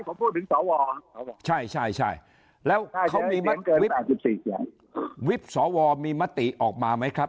ผมพูดถึงสวใช่แล้วเขามีวิบสวมีมติออกมาไหมครับ